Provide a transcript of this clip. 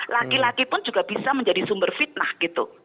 laki laki pun juga bisa menjadi sumber fitnah gitu